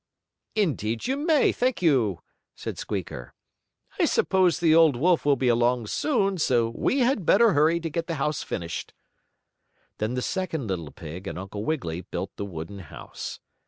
"Indeed you may, thank you," said Squeaker. "I suppose the old wolf will be along soon, so we had better hurry to get the house finished." Then the second little pig and Uncle Wiggily built the wooden house.